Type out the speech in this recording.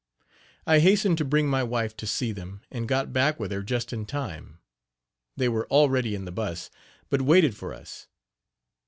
I hastened to bring my wife to see them and got back with her just in time. They were already in the bus, but waited for us.